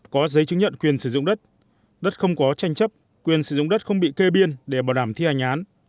có giấy chứng nhận quyền sử dụng đất đất không có tranh chấp quyền sử dụng đất không bị kê biên để bảo đảm thi hành án